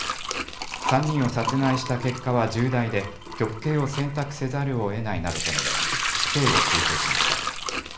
３人を殺害した結果は重大で、極刑を選択せざるをえないなどと述べ、死刑を求刑しました。